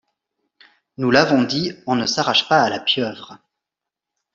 Nous l’avons dit, on ne s’arrache pas à la pieuvre.